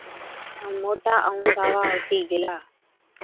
ائُون موٽا ائُون ساوا هُتِي گيلا۔